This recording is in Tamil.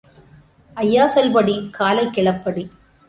ஐயா சொல்படி காலைக் கிளப்படி.